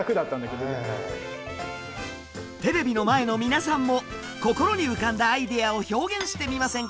テレビの前の皆さんも心に浮かんだアイデアを表現してみませんか？